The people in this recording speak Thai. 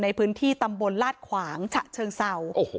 ในพื้นที่ตำบลลาดขวางฉะเชิงเศร้า